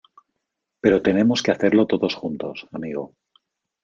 pero tenemos que hacerlo todos juntos, amigo.